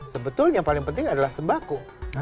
sebetulnya yang paling penting adalah sembako